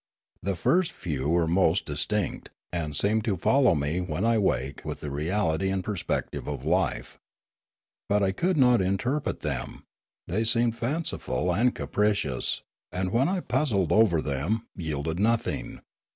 The first few were most dis tinct, and seemed to follow me when I waked with the reality and perspective of life. But I could not interpret them; they seemed fanciful and capricious, and when I puzzled over them, yielded nothing.